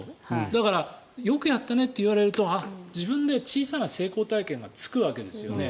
だから、よくやったねと言われると自分で小さな成功体験がつくわけですよね。